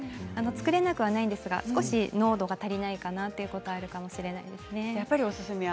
作れなくはないんですが少し濃度が足りないかなということはあるかもしれないですね。